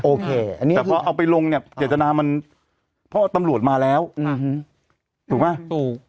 โอเคอันนี้แต่พอเอาไปลงเนี่ยเจตนามันเพราะตำรวจมาแล้วถูกไหมถูก